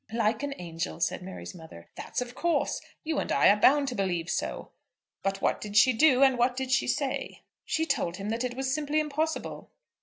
"Like an angel," said Mary's mother. "That's of course. You and I are bound to believe so. But what did she do, and what did she say?" "She told him that it was simply impossible."